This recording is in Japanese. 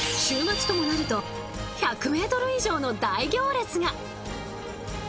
週末ともなると１００ｍ以上の大行列が。